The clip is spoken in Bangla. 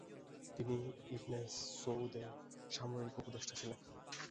তিনি ইবনে সৌদের সামরিক উপদেষ্টা ছিলেন।